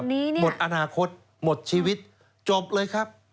ตอนนี้เนี่ยหมดอนาคตหมดชีวิตจบเลยครับ